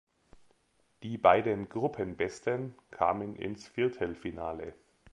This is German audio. Die beiden Gruppenbesten kamen ins Viertelfinale.